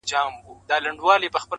او په وینا يې که شعور له لاشعور سره